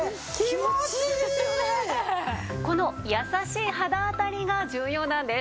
このやさしい肌当たりが重要なんです。